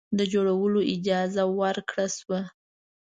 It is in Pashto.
د جوړولو اجازه ورکړه شوه.